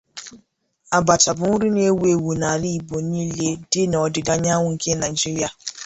Abacha bụ nri na ewu ewu n'ala igbo niile di n'ọdịda anyanwụ nke Nigeria.